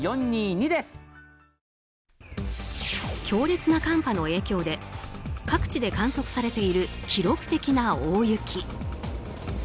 強烈な寒波の影響で各地で観測されている記録的な大雪。